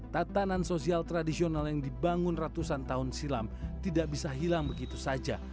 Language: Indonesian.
tatanan sosial tradisional yang dibangun ratusan tahun silam tidak bisa hilang begitu saja